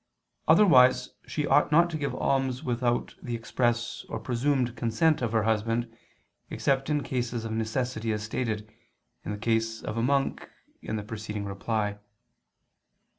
Otherwise she ought not to give alms without the express or presumed consent of her husband, except in cases of necessity as stated, in the case of a monk, in the preceding Reply.